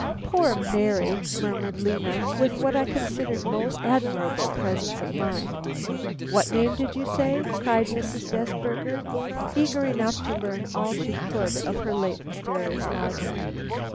"Poor Mary!" murmured Lena, with what I considered most admirable presence of mind. "What name did you say?" cried Mrs. Desberger, eager enough to learn all she could of her late mysterious lodger.